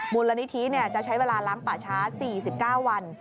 มูลนิธิจะใช้เวลาล้างป่าช้า๔๙วัน